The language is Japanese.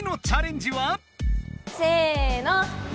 せの。